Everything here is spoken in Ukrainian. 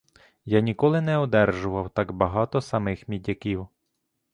Я ніколи не одержував так багато самих мідяків.